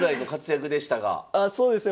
あそうですね